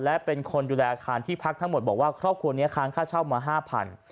และเป็นคนดูแลอาคารที่พักทั้งหมดบอกว่าครอบครัวนี้ค้างค่าเช่ามา๕๐๐บาท